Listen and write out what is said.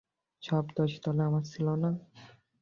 সব দোষ তাহলে আমার ছিলো, না?